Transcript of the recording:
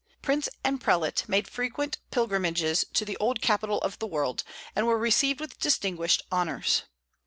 Prince and prelate made frequent pilgrimages to the old capital of the world, and were received with distinguished honors.